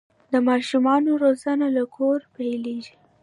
د ماشومانو روزنه له کوره پیلیږي.